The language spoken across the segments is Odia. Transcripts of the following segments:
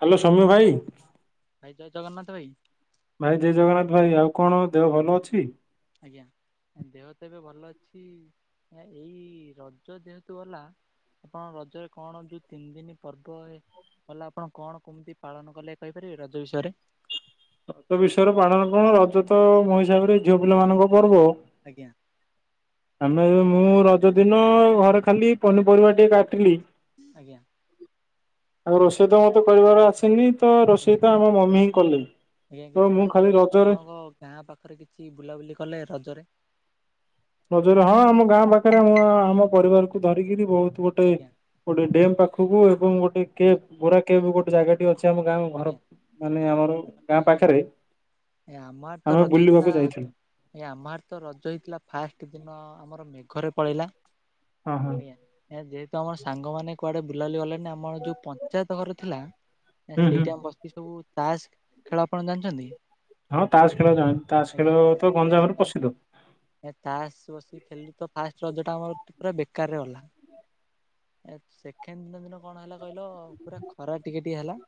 ହ୍ୟାଲ ସୋମ୍ୟ ଭାଇ। ଭାଇ ଜୟ ଜଗନ୍ନାଥ ଭାଇ। ଭାଇ ଜୟ ଜଗନ୍ନାଥ ଭାଇ, ଆଉ କଣ ଦେହ ଭଲ ଅଛି? ଆଜ୍ଞା ଦେହ ତ ଏବେ ଭଲ ଅଛି। [unintelligible] ଏଇ ରଜ ଯେହେତୁ ଗଲା ଆପଣ ରଜରେ କଣ ଯୋଉ ତିନିଦିନି ପର୍ବ ଏ କଲ ଆପଣ କଣ କେମିତି ପାଳନ କଲେ କହିପାରିବେ ରଜ ବିଷୟରେ? ରକ୍ ବିଷୟର ପାଳନ କଣ ରଜ ତ ମୋ ହିସାବରେ ଝିଅ ପିଲାମାନଙ୍କ ପର୍ବ। ଆଜ୍ଞା। ଆମେ ମୁଁ ରଜଦିନ ଘରେ ଖାଲି ପନିପରିବା ଟିକେ କାଟିଲି। ଆଜ୍ଞା। ଆଉ ରୋଷେଇ ତ ମତେ କରିବାର ଆସନି ତ ଆଜ୍ଞା ରୋଷେଇ ତ ଆମ ମମି ହିଁ କଲେ। ଆଜ୍ଞା ତ କିଛି ମୁଁ ମାନେ ଖାଲି କେମିତି ରଜରେ ଆପଣଙ୍କ ଗାଁ ପାଖରେ କିଛି ବୁଲାବୁଲି କଲେ ରଜରେ? ରଜରେ ହଁ ଆମ ଗାଁ ପାଖରେ ମୁଁ ଆମ ପରିବାରକୁ ଧରିକିରି ବହୁତ ଗୋଟେ ଆଜ୍ଞା ଗୋଟେ ଡ୍ୟାମ୍ ପାଖକୁ ଏବଂ ଗୋଟେ କେ ଆଜ୍ଞା ବୋରା କେବ ଗୋଟେ ଜାଗା ଟି ଅଛି ଆମ ଗାଁ ଘର ଆଜ୍ଞା ମାନେ ଆମର ଗାଁ ପାଖରେ। ଏ ଆମ ଆଡେ ତ ଆମେ ରଜ ହେଇଥିଲା। ବୁଲିବାକୁ ଯାଇଥିଲୁ। ଆଜ୍ଞା ଆମ ଆଡେ ତ ରଜ ହେଇଥିଲା ଫାଷ୍ଟ ଦିନ ଆମର ମେଘରେ ପଳେଇଲା, ହଁ ହଁ ଆଜ୍ଞା। ଯେହେତୁ ଆମର ସାଙ୍ଗମାନେ କୁଆଡ଼େ ବୁଲାଵୁଲି ଗଲେନି ଆମର ଯୋଉ ପଞ୍ଚାୟତ ଘର ଥିଲା ନା ହୁଁ ହୁଁ। ସେଇଟା ଆମ ବସ୍ତି ସବୁ ତାସ୍ ଖେଳ ଆପଣ ଜାଣିଛନ୍ତି? ହଁ ତାସ୍ ଖେଳ ଜାଣି ତାସ୍ ଆଜ୍ଞା ଖେଳ ନା ତ ସେ ଗଞ୍ଜାମରେ ବସିକି ଆମେ ପ୍ରସିଦ୍ଧ। ଏ ଚାସ୍ ବସିିକି ଖେିଲିଲୁ ତ ଫାଷ୍ଟ ରଜ ଟା ଆମର ପୁରା ବେକାରରେ ଗଲା। ଏ ସେକେଣ୍ଡ ଦିନ ଦିନ କଣ ହେଲା କହିଲ ପୁରା ଖରା ଟିକେ ଟିକେ ହେଲା।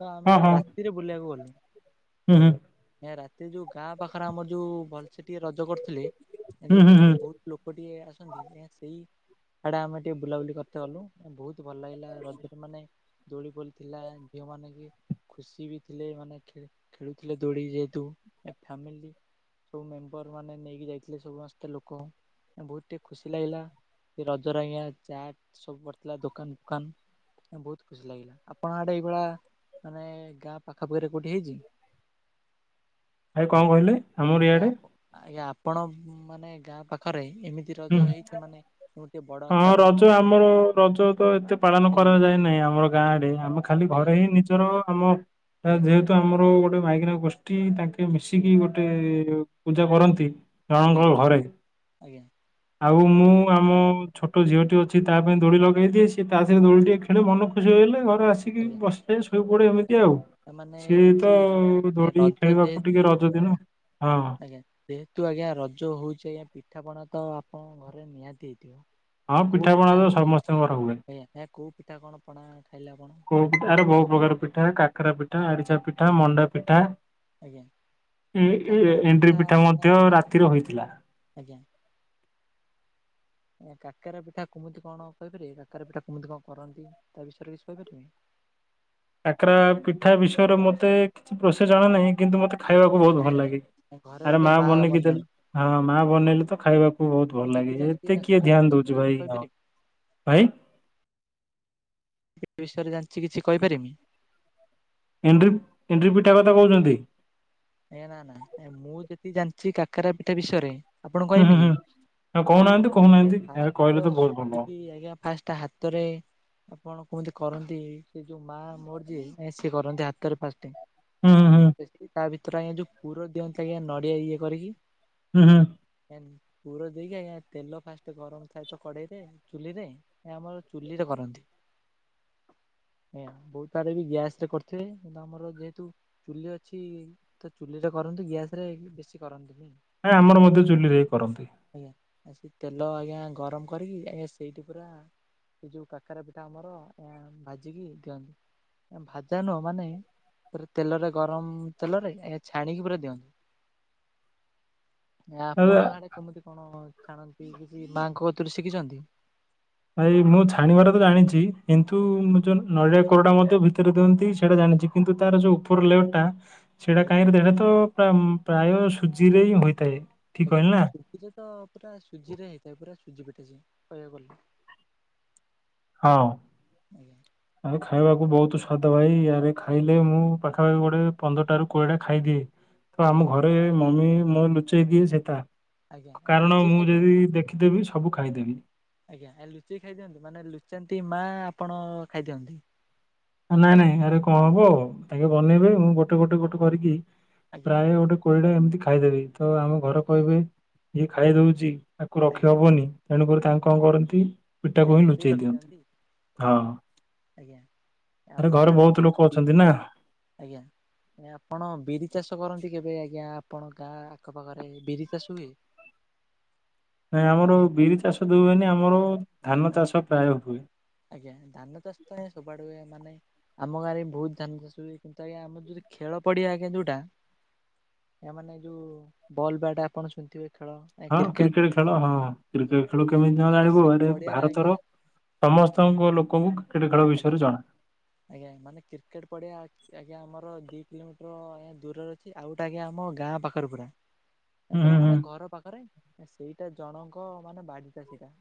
ତ ହଁ ଆମେ ହଁ ରାତିରେ ବୁଲିବାକୁ ଗଲୁନି। ହୁଁ, ହୁଁ। ଏ ରାତିରେ ଯୋଉ ଗାଁ ପାଖରେ ଆମର ଯୋଉ ଭଲ ସେ ଟିଏ ରଜ କରୁଥିଲି ହୁଁ ହୁଁ ଯୋଉଠି ହୁଁ ମାନେ ବହୁତ ଲୋକ ଟିକେ ଆସନ୍ତି ଏଁ ସେହି ହେଡେ ଆମେ ଟିକେ ବୁଲାବୁଲି କରିତେ ଗଲୁ ବହୁତ ଭଲ ଲାଗିଲା ରଜରେ ମାନେ ଦୋଳି ଫୋଳି ଥିଲା ଝିଅମାନେ କି ଖୁସି ବି ଥିଲେ ମାନେ ଖେ ଖେଳୁଥିଲେ ଦୋଳି ଯେହେତୁ, ଫ୍ୟାମିଲି ସବୁ ମେମ୍ବର ମାନେ ନେଇକି ଯାଇଥିଲେ ସମସ୍ତେ ଲୋକଙ୍କୁ ବହୁତ ଟିକେ ଖୁସି ଲାଗିଲା। ସେ ରଜରେ ଆଜ୍ଞା ଚାଟ୍ ସବୁ ପଡ଼ିଥିଲା ଦୋକାନ ଫୋକାନ। ହଁ ବହୁତ ଖୁସି ଲାଗିଲା ଆପଣ ଆଡେ ଏଇଭଳିଆ ମାନେ ଗାଁ ପାଖାପାଖିରେ କୋଉଠି ହେଇଛି? ଭାଇ କଣ କହିଲେ? ଆମର ଆ ଇଆଡେ ଆପ ଆଜ୍ଞା ଆପଣମାନେ ଗାଁ ପାଖରେ ଏମିତି ହୁଁ ରଜ ହେଇଛି ମାନେ ଗୋଟେ ବଡ ହଁ ଆକାରରେ ରଜ ଆପଣ ଆମର ରଜ ତ ଏତେ ପାଳନ ଆଜ୍ଞା କରାଯାଏ ନାହିଁ ଆମର ଗାଁ ଆଡ଼େ ଆମେ ଖାଲି ଆଜ୍ଞା ଘରେ ହିଁ ନିଜେ ଧର ଆମ ଆଜ୍ଞା ଯେହେତୁ ଆମର ଗୋଟେ ମାଇକିନା ଗୋଷ୍ଠୀ ତାଙ୍କେ ମିଶିକି ଆଜ୍ଞା ଗୋ ଟେ ପୂଜା କରନ୍ତି ଆଜ୍ଞା ଜଣଙ୍କ ଘରେ। ଆଜ୍ଞା ଆଉ ମୁଁ ଆମ ଛୋଟ ଝିଅଟି ଅଛି ତା ପାଇଁ ଦୋଳି ଲଗାଇ ଦିଏ ସିଏ ତା ସହିତ ଦୋଳି ଟିିକେ ଖେଳେ ମନ ଖୁସି ହେଇଗଲେ ଘରେ ଆସିକି ଆଜ୍ଞା ବସି ସେ ଶୋଇପଡ଼େ ଏମିତି ଆଉ ତାମାନେ ସିଏ ତ କିଛି ଦୋଳି ରଜ ଖେଳିବାକୁ ଟିକେ ଯେହେତୁ ରଜ ଦିନ, ହଁ। ଆଜ୍ଞା ଯେହେତୁ ଆଜ୍ଞା ରଜ ହଉଛି ଆଜ୍ଞା ପିଠାପଣା ତ ଆପଣଙ୍କ ଘରେ ନିହାତି ହେଇଥିବ। ହଁ ଏ କୋଉ ପିଠାପଣା ପିଠା? ତ ସମସ୍ତଙ୍କର ହୁଏ। ଆଜ୍ଞା ଏ କୋଉ ପିଠା କଣ ପଣା ଖାଇଲେ ଆପଣ, କୋଉ ପିଠା ଆରେ ବହୁ [unintelligible] ପ୍ରକାର ପିଠା, କାକରାପିଠା, ଆରିସାପିଠା, ଆଜ୍ଞା ମଣ୍ଡାପିଠା ଆଜ୍ଞା ଏ କାକରା ପିଠା ଏଣ୍ଡ୍ରିରିପିଠା ମାନେ ମଧ୍ୟ ଆଜ୍ଞା ରାତିରୁ ହୋଇଥିଲା। ଆଜ୍ଞା। ଆ କାକରା ପିଠା କେମିତି କଣ କହିପାରିବେ କାକରା ପିଠା କେମିତି କଣ କରନ୍ତି ତା ବିଷୟରେ କିଛି କହିପାରିବେ? କାକରା ପିଠା ବିଷୟରେ ମତେ କିଛି ପ୍ରୋସେ ଜଣାନାହିଁ କିନ୍ତୁ ମତେ ଆଜ୍ଞା ଖାଇବାକୁ ବହୁତ ଭଲଲାଗେ। ଘରେ ଆରେ ବୋଧେ ମା ବନେଇକି ଦେଲେ ବନାନ୍ତି ହଁ ମା ବନେଇଲେ ତ ଖାଇବାକୁ ବହୁତ ମୁଁ ଭଲ ଯେତିକି ଲାଗେ। ଜାଣିଛି ଏତେ କିଏ କାକରା ଧ୍ୟାନ ବିଷୟରେ ଦଉଛି କିଛି ଭାଇ, ହଁ କହିପାରିବି? ଭାଇ ଏହିବିଷୟରେ ଜାଣିଛି କିଛି କହିପାରିମି। ଏଣ୍ଡ୍ରି -ଏଣ୍ଡ୍ରି ପିଠା କଥା କହୁଛନ୍ତି। ଆଜ୍ଞା, ନାଁ, ନାଁ ମୁଁ ଯେତିକି ଜାଣିଛି କାକରାପିଠା ବିଷୟରେ ଆପଣଙ୍କୁ ହୁଁ ହୁଁ କହିମି କି? ହୁଁ ଆଉ କହୁନାହାନ୍ତି ଆଜ୍ଞା କହୁନାହାନ୍ତି ଆରେ ଫାଷ୍ଟ କହିଲେ ତ ବହୁତ ଭଲ ହବ। ସୁଖିକି ଆଜ୍ଞା ଫାଷ୍ଟ ହା ତରେ ଆପଣ କେମିତି କରନ୍ତି ସେ ଯୋଉ ମା ମୋର ଯିଏ ନାଇ ସିଏ କରନ୍ତି ହାତରେ ଫାଷ୍ଟ। ହୁଁ ହୁଁ ହୁଁ [unintelligible] ତା ଭିତରେ ଆଜ୍ଞା ଯୋଉ ପୁର ଦିଅନ୍ତେ ଆଜ୍ଞା ନଡ଼ିଆ ଇଏ କରିକି ହୁଁ, ହୁଁ। ହେନ୍ ପୁର ଦେଇକି ଆଜ୍ଞା ତେଲ ଫାଷ୍ଟ ଗରମ ଥାଏ ତ କଡ଼େଇରେ ଚୁଲିରେ ଏ ଆମର ଚୁଲିରେ କରନ୍ତି। [inaudible] ଆଜ୍ଞା। ଏ ବହୁ ତାର ବି ଗ୍ୟାସରେ କରିୁଥିବେ କିନ୍ତୁ ଆମର ଯେହେତୁ ଚୁଲି ଅଛି ତ ଚୁଲିରେ କରନ୍ତୁ ଗ୍ୟାସ ରେ ବେଶୀ କରନ୍ତିନି। ଏ ଆମର ମଧ୍ୟ ଚୁଲି ରେ କରନ୍ତି। ଆଜ୍ଞା ଆ ସେ ତେଲ ଆଜ୍ଞା ଗରମ କରିକି ଆଜ୍ଞା ସେଇଠି ପୁରା ସେ ଯୋଉ କାକରା ପିଠା ଆମର ଆଜ୍ଞା ଭାଜିକି ଦିଅନ୍ତି। ଭାଜା ନୁହଁ ମାନେ [unintelligible] ତେଲରେ ଗରମ ତେଲରେ ଆଜ୍ଞା ଛାଣିକି ପୁରା ଦିଅନ୍ତି। ଆରେ ଆପଣ ଆଡେ କୋମୁତି କଣ ଛାଣନ୍ତି କିଛି ମାଆଙ୍କ କତୁରୁ ଶିଖିଚନ୍ତି? ଭାଇ ମୁଁ ଛାଣିବାର ତ ଜାଣିଚି କିନ୍ତୁ ମୁ ଯୋଉ ନଡ଼ିଆ କୋରଟା ମଧ୍ୟ ଭିତରେ ଦିଅନ୍ତି ସେଟା ଜାଣିଚି କିନ୍ତୁ ତାର ଯୋଉ ଉପର ଲେୟର ଟା ସେଇଟା ଆଜ୍ଞା କାହିଁକି ସେଟା ତ ପ୍ରାୟ ସୁଜିରେ ହିଁ ହୋଇଥାଏ। ଠିକ କହିଲି ନା ଆଜ୍ଞା ସୁଜିରେ ତ ପୁରା ସୁଜିରେ ହେଇଥାଏ ପୁରା ସୁଜି ପିଠା ସିଏ କହିବାକୁ ଗଲେ। ହଁ। ଆଜ୍ଞା। ଆରେ ଖାଇବାକୁ ବହୁତ ସ୍ୱାଦ ଭାଇ ରେ ଖାଇଲେ ମୁଁ ପାଖାପାଖି ଗୋଟେ ପନ୍ଦରଟା ର କୋଡ଼ିଏଟା ଖାଇଦିଏ। ତ ଆମ ଆଜ୍ଞା ଘରେ ମମି ମୁଁ ଲୁଚେଇ ଦିଏ ସେତା ଆଜ୍ଞା ଏ କାରଣ ଲୁଚେଇ ମୁଁ ଖାଇଦିଅନ୍ତି ଯଦି ଦେଖିଦେବି ସବୁ ଖାଇଦେବି। ଆଜ୍ଞା ଲୁଚେଇକି ଖାଇଦିଅନ୍ତି ମାନେ ଲୁଚାନ୍ତି ମା ଆପଣ ଖାଇଦିଅନ୍ତି। ନାଇଁ ନାଇଁ ଆରେ କଣ ହବ ଆଗେ ବନେଇବେ ମୁଁ ଗୋଟେ ଗୋଟେ ଗୋଟେ କରିକି ଆଜ୍ଞା ପ୍ରାୟ ଗୋଟେ କୋଡ଼ିଟା ଏମିତି ଖାଇଦେବି ତ ଆମ ଘର ଆଜ୍ଞା କହିବେ ଇିଏ ଖାଇଦେଉଚି ତାକୁ ଆଜ୍ଞା ରଖିହେବନି। ତେଣୁକରି ତାଙ୍କୁ କଣ କରନ୍ତି ପିଠା ଏ କୁ ହିଁ ଲୁଚେଇ ଦିଅନ୍ତି, ରଖିଦିଅନ୍ତି ହଁ। ଆଜ୍ଞା। ଆରେ ଆପଣ ଘରେ ଆଡେ ବହୁତ ଯୋଉ ଲୋକ ବି ଅଛନ୍ତି ନା। ଆଜ୍ଞା। ଆପଣ ବିରି ଚାଷ କରନ୍ତି କେବେ ଆଜ୍ଞା ଆପଣ ଗାଁ ଆଖପାଖରେ ବିରି ଚାଷ ହୁଏ? ନାଇଁ ଆମର ବିରି ଚାଷ ଦଉଏନି ଆମର ଧାନ ଆଜ୍ଞା। ଚାଷ ପ୍ରାୟ ହୁଏ। ଆଜ୍ଞା ଧାନ ଚାଷ ତ ଆଜ୍ଞା ସବୁଆଡେ ହୁଏ ମାନେ ଆମ ଗାଁରେ ବି ବହୁତ ଧ୍ୟାନ ଚାଷ ହୁଏ କିନ୍ତୁ ଆଜ୍ଞା ଆମର ଯଦି ଖେଳ ପଡିଆ ଆଜ୍ଞା ଯୋଉଟା ଏ ମାନେ ଯୋଉ ବଲ୍ ବ୍ୟାଟ ଆପଣ ଶୁଣିଥିବେ ଖେଳ। ହଁ କ୍ରିକେଟ ଖେଳ ହଁ ଆଜ୍ଞା କ୍ରିକେଟ ଖେଳ। କେମିତି ନ ସେମାନେ ଜାଣିବୁ ସେଇ ଆଡେ ପଡିଆରେ ଭାରତର ଆଜ୍ଞା ସମସ୍ତଙ୍କ ଲୋକଙ୍କୁ କ୍ରିକେଟ ଖେଳ ଆଜ୍ଞା ବିଷୟରେ ଜଣା। ଆଜ୍ଞା ମାନେ କ୍ରିକେଟ୍ ପଡିଆ ଆଜ୍ଞା ଆମର ଦି କିଲୋମିଟର ଆ ଦୂରରେ ଅଛି ଆଉ ଗୋଟେ ଆଜ୍ଞା ଆମ ଗାଁ ପାଖରେ ପୁରା। ଏ ହୁଁ ପୁରା ହୁଁ ହୁଁ ମାନେ ଘର ପାଖରେ ସେଇଟା ଜଣଙ୍କ ମାନେ ବାଡ଼ିଟା ସେଇଟା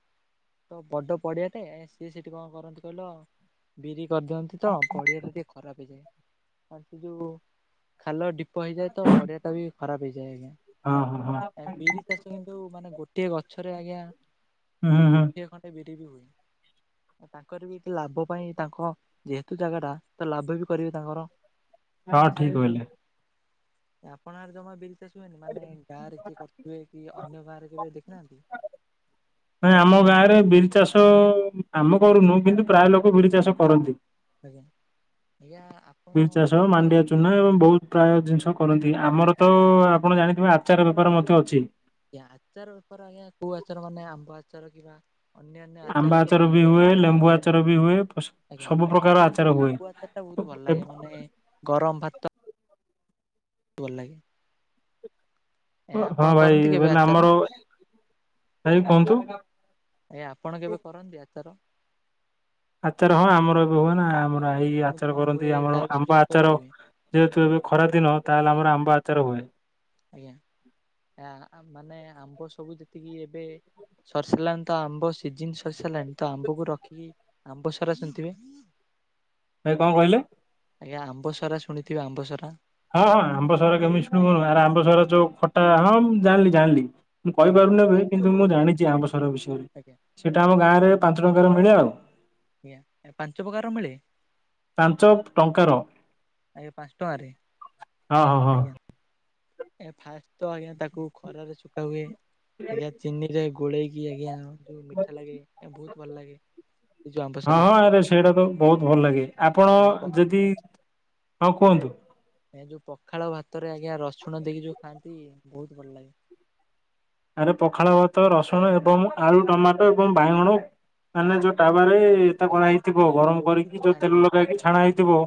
ତ ବଡ ପଡିଆଟେ ସିଏ ସେଠି କଣ କରନ୍ତି କହିଲ ବିରି କରିଦିଅନ୍ତି ତ ପଡ଼ିଆଟା ଟିକିେ ଖରାପ ହେଇଯାଏ। ଆ ସେ ଯେଉଁ ଖାଲ ଢିପ ପ ହେଇଯାଏ ତ ପଡିଆ ଟା ବି ଖରାପ ହେଇଯାଏ ଆଜ୍ଞା। ହଁ ହଁ ହଁ। ବିରି ଚାଷ କିନ୍ତୁ ମାନେ ଗୋଟିଏ ଗଛରେ ଆଜ୍ଞା ହୁଁ ମାନେ ହୁଁ ମୁ ହୁଁ ଠିଏ ଖଣ୍ଟେ ବିରି ବି ହୁଏ ତାଙ୍କର ବି ଏ ଲାଭ ପାଇଁ ତାଙ୍କ ଯେହେତୁ ଜାଗା ଟା ତ ଲାଭ ବି କରିବେ ତାଙ୍କର। ହଁ ଏ ଠିକ ସେଥିପାଇଁ କହିଲେ ଆପଣଙ୍କର ଜମା ବିରି ଚାଷ ହୁଏନି ମାନେ ଗାଁରେ କିଏ କରଥିବେ କି ଅନ୍ୟ ଗାଁରେ କେବେ ଦେଖିନାହାନ୍ତି? ନାଇ ଆମ ଗାଁରେ ବିରି ଚାଷ ଆମେ କରୁନୁ କିନ୍ତୁ ପ୍ରାୟ ଲୋକ ବିରି ଚାଷ କରନ୍ତି। ଆଜ୍ଞା ଆଜ୍ଞା ଆପ ବିରି ଚାଷ ମାଣ୍ଡିଆ ଚୁନା ଏବଂ ବହୁତ ପ୍ରାୟ ଜିନିଷ କରନ୍ତି ଆଜ୍ଞା ଆମର ତ ଆପଣ ଜାଣିଥିବେ ଆଚାର ବେପାର ମଧ୍ୟ ଅଛି। ଜ୍ଞା ଆଚାର ବେପାର ଆଜ୍ଞା କଉ ଆଚାର ମାନେ ଆମ୍ବ ଆଚାର କିଵା ଆମ୍ବ ଆଚାର ବି ହୁଏ ଲେମ୍ବୁ ଆଚାର ବି ହୁଏ ପସ ସବୁ ପ୍ରକାର ଆଚାର ହୁଏ। ତେ ବହୁତ ଭଲ ଲାଗେ ଏବ୍- ମାନେ ଗରମ ଭାତ ଭଲ ଲାଗେ। ଏ ହଁ ଆପଣ ଭାଇ କରନ୍ତି କେବେ ବଇଲେ ଆଚାର? ଆମର ଭାଇ କୁହନ୍ତୁ? ଆଜ୍ଞା ଆପଣ କେବେ କରନ୍ତି ଆଚାର? ଆଚାର ହଁ ଆମର ଏବେ ହୁଏ ନା ଆମର ଏଇ କେମିତି ଆଚାର କଣ ହୁଏ କରନ୍ତି ତା ଆମର ବିଷୟରେ ଆମ୍ବ କିଛି ଆଚାର। କହିପାରିବେ? ଯେହେତୁ ଏବେ ଖରାଦିନ ତାହେଲେ ଆମର ଆମ୍ବ ଆଚାର ହୁଏ। ଆଜ୍ଞା ହଁ ଆମ୍ ମାନେ ଆମ୍ବ ସବୁ ଯେତିକି ଏବେ ସରି ସାରିଲାଣି ତ ଆମ୍ବ ସିଜିିନ୍ ସରି ସାରିଲାଣି ତ ଆମ୍ବକୁ ରଖିକି ଆମ୍ବ ସରା କରୁଥିବେ? ଭାଇ କଣ କହିଲେ? ଆଜ୍ଞା ଆମ୍ବସରା ଶୁଣିଥିବେ ଆମ୍ବସରାା? ହଁ ହଁ ଆମ୍ବ ସରା କେମିତି ଶୁଣିବୁନୁ ଆରେ ଆମ୍ବ ସରା ଆଜ୍ଞା ଯୋଉ ଖଟା ହଁ ମୁଁ ଜାଣିଲି ଜାଣିଲି। ମୁଁ କହିପାରୁନି ଆଜ୍ଞା ଭାଇ କିନ୍ତୁ ଆମ୍ବ ମୁଁ ଜାଣିଚି ଆମ ସହର ବିଷୟରେ ଆଜ୍ଞା ସେଇଟା ଆମ ଗାଁ ରେ ପାଞ୍ଚ ଟଙ୍କାରେ ମିଳେ ଆଉ। ଆଜ୍ଞା ପାଞ୍ଚ ପ୍ରକାର ର ମିଳେ? ପାଞ୍ଚ ଟଙ୍କାର। ଆଜ୍ଞା ପାଞ୍ଚ ଟଙ୍କାରେ ହଁ ହଁ ହଁ ଆଜ୍ଞା। ଆଜ୍ଞା ଫାଷ୍ଟ ତ ଆଜ୍ଞା ତାକୁ ଖରାରେ ଶୁଖା ହୁଏ ଆଜ୍ଞା ଚିନିରେ ଗୋ ଗୋଳେଇକି ଆଜ୍ଞା ଯୋଉ ମିଠା ଲାଗେ ଆ ବହୁତ ଭଲ ଲାଗେ। ଏ ଯୋଉ ହଁ ହଁ ଆମ୍ବସରା ଆରେ ସେଇଟା ତ ବହୁତ ଭଲ ଲାଗେ ଆପଣ ଯେଦି ହଁ କୁହନ୍ତୁ? ହଁ ଯୋଉ ପଖାଳ ଭାତରେ ଆଜ୍ଞା ରସୁଣ ଦେଇକି ଯୋଉ ଖାଆନ୍ତି ବହୁତ ଭଲ ଲାଗେ। ଆରେ ପଖାଳ ଭାତ ରସୁଣ ଏବଂ ଆଳୁ ଟମାଟୋ ଏବଂ ବାହଗଣ। ମାନେ ଯୋଉ [unintelligible] ଆଜ୍ଞା। କରାହେଇଥିବ ଏ ଯୋଉ ଗରମ ପୋଡିକି କରିକି ଯୋଉ ଖାଆନ୍ତି ତେଲ ନୁହେଁ ଲଗେଇକି ଛାଣା ହେଇଥିବ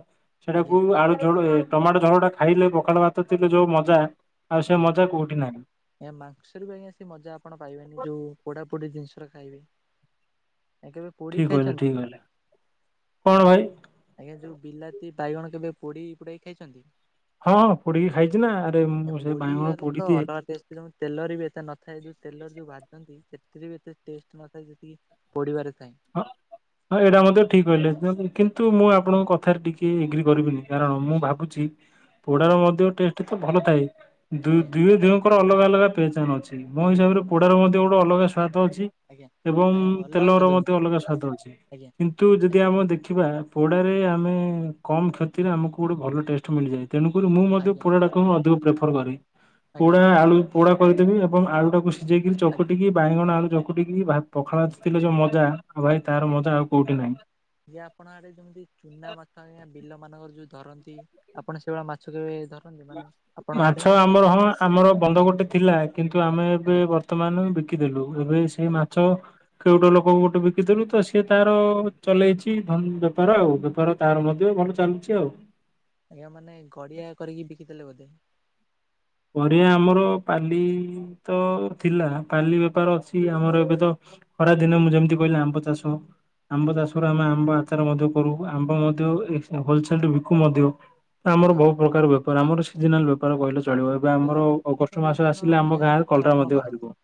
ଆଜ୍ଞା ସେଟାକୁ ଆଳୁଝୋଳ ଟମାଟୋ ଝର ଟା ଖାଇଲେ ପଖାଳ ଭାତ ଥିଲେ ଯୋଉ ମଜା ଆଉ ସେ ମଜା କୋଉଠି ନାହିଁ। ଆ ମାକ୍ସରେ [unintelligible] ସେ ମଜା ଆପଣ ପାଇବେନି ଯୋଉ ପୋଡ଼ା ପୋଡ଼ି ଜିନିଷରା ଖାଇବେ। ଆଉ କେବେ ଠିକ ପୋଡ଼ିକୀ କହିଲେ ଠିକ ଖାଇଛନ୍ତି? କହିଲେ କଣ ଭାଇ ଆଜ୍ଞା ଯୋଉ ବିଲାତି ବାଇଗଣ କେବେ ପୋଡ଼ି ପୁଡ଼ାକି ଖାଇଛନ୍ତି? ହଁ ହଁ ପୋଡ଼ିକି ଖାଇଚି ନା ଆରେ ମୁଁ ସେ ବାହଗଣ ପୋଡ଼ି ଦିଏ। [unintelligible] ତେଲର ବି ଏତେ ନଥାଏ ଯୋଉ ତେଲର ଯୋଉ ଭାଜନ୍ତି ସେଥିରେ ବି ଏତେ ଟେଷ୍ଟ ନଥାଏ ଯେତିକି ପୋଢ଼ିବାରେ ଥାଏଁ। ହଁ ହଁ ଏଇଟା ମଧ୍ୟ ଠିକ୍ କହିଲେ କିନ୍ତୁ ଆଜ୍ଞା ମୁଁ ଆପଣଙ୍କ କଥାରେ ଟିକେ ଏଗ୍ରୀ କରିବିନି। କାରଣ ମୁଁ ଭାବୁଛି ପୋଡ଼ା ର ଆଜ୍ଞା ମଧ୍ୟ ଟେଷ୍ଟ ତ ଭଲ ଥାଏ ଆଜ୍ଞା [unintelligible] ତାଙ୍କର ଅଲଗା ଅଲଗା ପେହଚାନ ଅଛି ମୋ ଆଜ୍ଞା ହିସାବରେ ପୋଡ଼ର ମଧ୍ୟ ଗୋଟେ ଅଲଗା ସ୍ଵାଦ ଅଛି। ଆଜ୍ଞା। ଏବଂ ଆଜ୍ଞା ଅଲଗା ତେଲର ସ୍ୱାଦ ମଧ୍ୟ କିନ୍ତୁ ଅଲଗା ସ୍ଵାଦ ଅଛି ଆଜ୍ଞା କିନ୍ ନ୍ତୁ ଯଦି ଆମେ ଦେଖିବା ପୋଡ଼ାରେ ଆମେ କମ୍ କ୍ଷତିରେ ଆମକୁ ଗୋଟେ ଭଲ ଟେଷ୍ଟ ମିଳିଯାଏ। ତେଣୁକରି ମୁଁ ମଧ୍ୟ ଆଜ୍ଞା ପୋଡ଼ାଟାକୁ ହିଁ ଅଧିକ ପ୍ରିଫର୍ କରେ ଆଜ୍ଞା ପୋଡ଼ା ଆଳୁ ପୋଡ଼ା କରିଦେବି ଏବଂ ଆଳୁଟାକୁ ସି ସିଝେଇକିରି ଆଜ୍ଞା ଚକଟିକି ଆଜ୍ଞା। ବାଇଗଣ ଆଳୁ ଚକୁଟିକି ଭା ପଖାଳ ଆଜ୍ଞା ଭାତ ଥିଲେ ଯଉ ମଜା। ଆଉ ଭାଇ ତାର ମଜା ଆଉ କୋଉଠି ନାହିଁ। ଯେ ଆପଣ ଆଡ଼େ ଯେମିତି ଚୁନା ମାଛ ଆଜ୍ଞା ବିଲ ମାନଙ୍କର ଯୋଉ ଧରନ୍ତି। ଆପଣ ସେଇଭଳିଆ ମାଛ କେବେ ଧର ମାଛ ଆମର ହଁ ଆମର ବନ୍ଧ ଗୋଟେ ଥିଲା। କିନ୍ତୁ ଆମେ ଏବେ ଆଜ୍ଞା ବର୍ତ୍ତମାନ ବିକି ଦେଲୁ ଏବେ ସେଇ ଆଜ୍ଞା ମାଛ କେଉଟ ଲୋକ କୁ ଗୋଟେ ବିକି ଥିଲୁ ତ ସିଏ ତାର ଚଲେଇଛି ଧ ବେପାର ଆଉ ବେପାର ତାର ମଧ୍ୟ ଭଲ ଆଜ୍ଞା ଚାଲୁଛି ଆଉ। ଆଜ୍ଞା ମାନେ ଗଡିଆ କରିକି ବିକିଥିଲେ ବୋଧେ। ପରିଆ ଆମର ପାଲି ତ ଥିଲା ପାଲି ବେପାର ଅଛି ଆମର ଏବେ ତ ଖରା ଦିନ ମୁଁ ଯେମିତି କହିଲି ଆମ୍ବ ଚାଷ। ଆମ୍ବ ଆଜ୍ଞା ଚାଷରେ ଆମେ ଆମ୍ବ ଆଚାର ମଧ୍ୟ କରୁ ଆମ୍ବ ମଧ୍ୟ ହୋଲସେଲରେ ବିକୁ ମଧ୍ୟ। ଆମର ଆଜ୍ଞା ବହୁତ ପ୍ରକାର ବେପାର ଆମର ସିଜନାଲ ବେପାର କହିଲେ ଚଳିବ। ଏବେ ଆଜ୍ଞା ଆମର ମାନେ ବିଭିନ୍ନ ଅଗଷ୍ଟ ମାସ ବିଭିନ୍ନ ଆସିଲେ ଆମ ଆଜ୍ଞା ଗାଁରେ ବେପାର କଲରା ଆପଣ ମଧ୍ୟ କରନ୍ତି। ବାହାରିବ।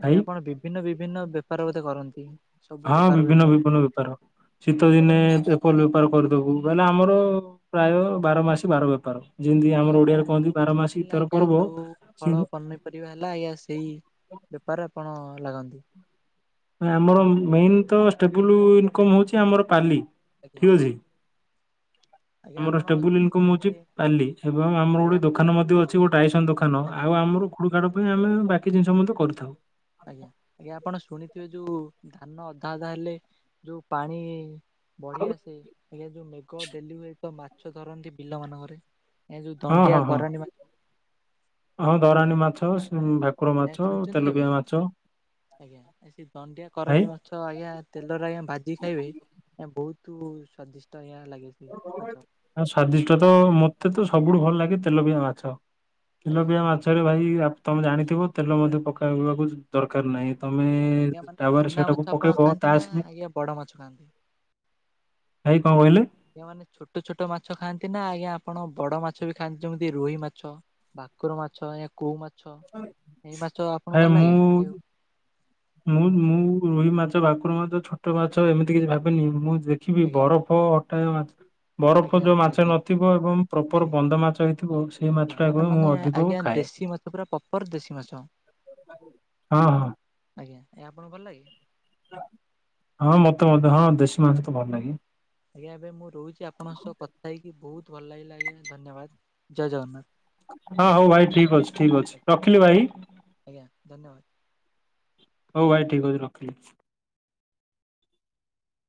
ଆଜ୍ଞା ଭାଇ ଆପଣ ବିଭିନ୍ନ ବିଭିନ୍ନ ବେପାର ବୋଧେ କରନ୍ତି। ସବୁ ହଁ ପ୍ରକାର ବିଭିନ୍ନ ବେପାର ବିଭିନ୍ନ ବେପାର ଶୀତ ଆଜ୍ଞା ଦିନେ କଲ ବେପାର କରିଦବୁ ବଲେ ଆମର ପ୍ରାୟ ବାର ମାସି ବାର ବେପାର। ଯିନ୍ତି ଆଜ୍ଞା ଆମର ଓଡିଆରେ ମାନେ କହନ୍ତି ଯୋଉ ବାର ମାସି ତେର ପର୍ବ ସି ପରିବା ହେଲା ଆଜ୍ଞା ସେଇ ବେପାର ଆପଣ ଲାଗନ୍ତି। ଆମର ମେନ୍ ତ ଷ୍ଟେବୁଲ୍ ଇନକମ୍ ହଉଛି ଆମର ପାଲି ଆଜ୍ଞା ଠିକ୍ ଅଛି। ଆଜ୍ଞା ଆମର ଆପଣ ଷ୍ଟେବୁଲ ଇନକମ୍ ହଉଛି ଶୁଣିଥିବେ ପାଲି ଏବଂ ଆମର ଆଜ୍ଞା ଗୋଟେ ଆପଣ ଦୋକାନ ମଧ୍ୟ ଶୁଣିଥିବେ ଅଛି ଗୋଟେ ଟାଇସନ ଦୋକାନ ଆଜ୍ଞା ଆଉ ଆମର [unintelligible] ପାଇଁ ଆମେ ବାକି ଜିନିଷ ମଧ୍ୟ କରିଥାଉ। ଆଜ୍ଞା ଆଜ୍ଞା ଆପଣ ଶୁଣିଥିବେ ଯୋଉ ଧାନ ଅଧା ଅଧା ହେଲେ ଯୋଉ ପାଣି ହଁ ବଢିଆ ସେ ଆଜ୍ଞା ଯୋଉ ମେଘ ଡେଲି ହୁଏ ତ ମାଛ ଧରନ୍ତି ବିଲ ମାନଙ୍କରେ। ଏ ଯୋଉ ହଁ ଦଣ୍ଡିଆ ହଁ ହଁ କରାଣ୍ଡି ମା ହଁ ଦରାଣୀ ମାଛ ଭା ଆଜ୍ଞା ଛୁଣିଛନ୍ତି କେବେ ଆଜ୍ଞା ଆ ସେ ଦନଡିଆ ଭାଇ କରାଣ୍ଡି ମା ଗଛ ଆଜ୍ଞା ତେଲର ଆଜ୍ଞା ଭାଜି ଖାଇବେ ଆ ବହୁତ ସ୍ଵାଦିଷ୍ଟ ଆଜ୍ଞା ଲାଗେ। ସେ ମାଛ ସ୍ଵାଦିଷ୍ଟ ତ ମତେ ତ ସବୁଠୁ ଭଲ ଲାଗେ ତେଲ ପିଆ ମାଛ। ଆଜ୍ଞା। ତେଲପିଆ ମାଛରେ ଭାଇ ତମେ ଜାଣିଥିବ ତେଲ ମଧ୍ୟ ପକେଇବାକୁ। ଦରକାର ନାହିଁ ତମେ ଆଜ୍ଞା ମାନେ ଟାୱାରେ ଚୁନା ମାଛ ସେଟାକୁ ଆପଣ ପକେଇବ ଖାଆନ୍ତି ତା ନା ଆସିଲି। ଆଜ୍ଞା ବଡ ମାଛ ଖାଆନ୍ତି? ଭାଇ କଣ କହିଲେ? ଆଜ୍ଞା ମାନେ ଛୋଟ ଛୋଟ ମାଛ ଖାଆନ୍ତି ନା ଆଜ୍ଞା ଆପଣ ବଡ ମାଛ ବି ଖାଆନ୍ତି ଯେମିତି ରୋହି ମାଛ। ଭାକୁର ମାଛ ୟା କୋଉ ମାଛ ଏଇ ମାଛ ଆପଣଙ୍କୁ ଭାଇ ଭଲ ଲାଗେ ମୁଁ ଖାଇ ମୁଁ ମୁଁ ରୋହି ମାଛ ଭାକୁର ମାଛ ଛୋଟ ମାଛ ଏମିତି କିଛି ଭାବେନି ମୁଁ ଦେଖିବି ବରଫ ହଉ ଅଟ। ବରଫ ଆଜ୍ଞା ଯଉଁ ଆଜ୍ଞା ଆଜ୍ଞା ମାଛ ଆଜ୍ଞା ନଥିବ ଏବଂ ପ୍ରପର ଆଜ୍ଞା। ବନ୍ଦ ମାଛ ହେଇଥିବ ସେଇ ମାଛଟାକୁ ବି ମୁଁ ଅଧିକ ଖାଏ। ସେ ପୁରା ପପର ଦେଶୀ ମାଛ। ହଁ ହଁ। ଆଜ୍ଞା ଏଆ ଆପଣ ଙ୍କୁ ଭଲ ଲାଗେ। ହଁ ମତେ ମଧ୍ୟ ହଁ ଦେଶିମାସ ତ ଭଲ ଆଜ୍ଞା ଲାଗେ। ଆଜ୍ଞା ଏବେ ମୁଁ ରହୁଛି ଆପଣଙ୍କ ସହ କଥା ହେଇକି ବହୁତ ଭଲ ଲାଗିଲା ଆଜ୍ଞା ଧନ୍ୟବାଦ ଜୟ ଜଗନ୍ନାଥ। ହଁ ହଉ ଭାଇ ଠିକ ଅଛି ଠିକ ଅଛି ରଖିଲି ଭାଇ। ଆଜ୍ଞା ଧନ୍ୟବାଦ। ହଉ ଭାଇ ଠିକ୍ ଅଛି ରଖିଲି।